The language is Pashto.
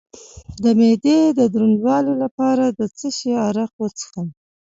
د معدې د دروندوالي لپاره د څه شي عرق وڅښم؟